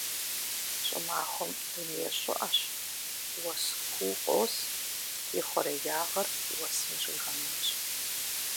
ЩӀымахуэм дунейр щӀыӀэщ, уэс куу къос, ихъуреягъыр уэсым щӀигъэнащ.